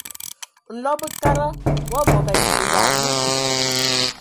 Nlɔb bəkada wa bɔban və yalu.